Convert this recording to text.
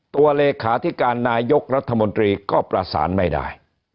ตัวเลขาธิการนายกรัฐมนตรีก็ประสานไม่ได้